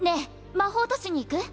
魔法都市に行く？